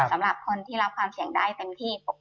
สำหรับคนที่รับความเสี่ยงได้เต็มที่